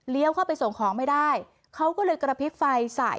เข้าไปส่งของไม่ได้เขาก็เลยกระพริบไฟใส่